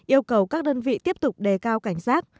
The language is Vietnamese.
yêu cầu các đơn vị tiếp tục đề cao cảnh giác